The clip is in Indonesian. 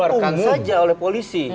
maka dampaknya dibubarkan saja oleh polisi